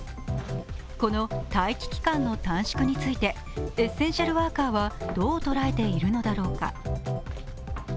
この待機期間の短縮についてエッセンシャルワーカーはどう捉えているのだろうか。